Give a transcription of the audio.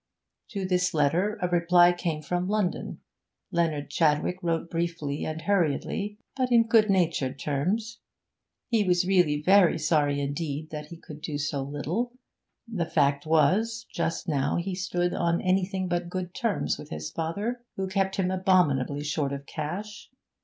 To this letter a reply came from London. Leonard Chadwick wrote briefly and hurriedly, but in good natured terms; he was really very sorry indeed that he could do so little; the fact was, just now he stood on anything but good terms with his father, who kept him abominably short of cash.